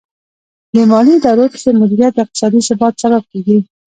د مالي ادارو ښه مدیریت د اقتصادي ثبات سبب کیږي.